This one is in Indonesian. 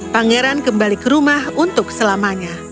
pangeran kembali ke rumah untuk selamanya